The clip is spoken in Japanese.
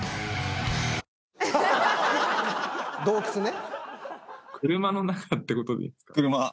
洞窟ね。